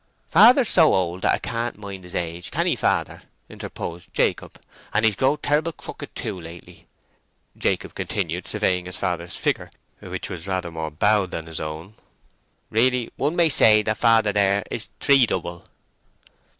"Father's so old that 'a can't mind his age, can ye, father?" interposed Jacob. "And he's growed terrible crooked too, lately," Jacob continued, surveying his father's figure, which was rather more bowed than his own. "Really one may say that father there is three double."